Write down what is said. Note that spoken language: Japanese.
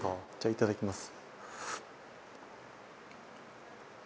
いただきます。